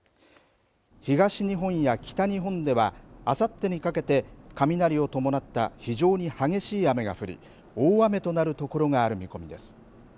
東日本や北日本ではあさってにかけて雷を伴った非常に激しい雨が降り大雨となるところがある見込みです。